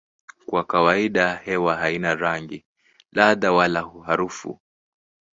Kwa kawaida hewa haina rangi, ladha wala harufu.